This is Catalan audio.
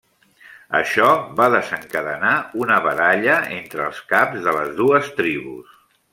Això va desencadenar una baralla entre els caps de les dues tribus.